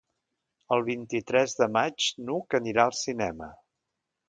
El vint-i-tres de maig n'Hug anirà al cinema.